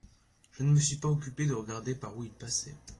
Je ne me suis pas occupé de regarder par où il passait.